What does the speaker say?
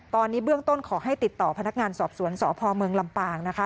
ตอนนี้เบื้องต้นขอให้ติดต่อพนักงานสอบสวนสพเมืองลำปางนะคะ